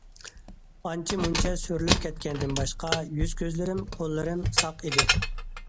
ئانچە- مۇنچە سۈرۈلۈپ كەتكەندىن باشقا يۈز- كۆزلىرىم، قوللىرىم ساق ئىدى.